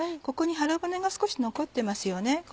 ここに腹骨が少し残ってますよね。